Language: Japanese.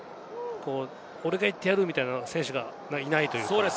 俺が行ってやるみたいな選手がいないというか。